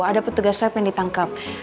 ada petugas lab yang ditangkap